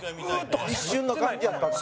一瞬の感じやったっけ。